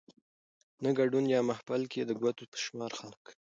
نه ګدون يا محفل کې د ګوتو په شمار خلک